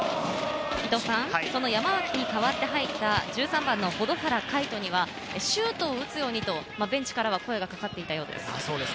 山脇に代わって入った１３番の保土原海翔には、シュートを打つようにと、ベンチからは声がかかっていたようです。